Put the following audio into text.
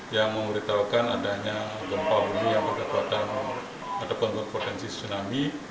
yang memberitahukan adanya gempa bumi yang berkekuatan ataupun potensi tsunami